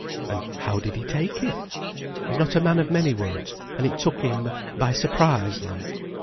"And how did he take it?" "He's not a man of many words; and it took him by surprise like."